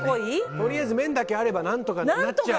とりあえず麺だけあれば何とかなっちゃう。